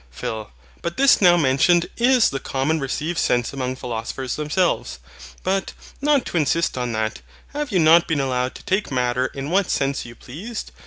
PHIL. But this now mentioned is the common received sense among philosophers themselves. But, not to insist on that, have you not been allowed to take Matter in what sense you pleased?